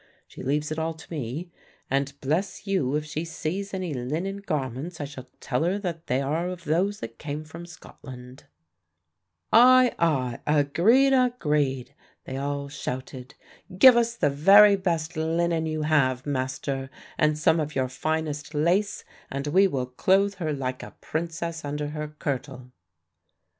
She leaves it all to me, and bless you if she sees any linen garments I shall tell her that they are of those that came from Scotland." "Ay, ay, agreed, agreed," they all shouted. "Give us the very best linen you have, master, and some of your finest lace and we will clothe her like a princess under her kirtle."